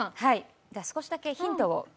少しだけヒントを。